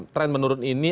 trend menurut ini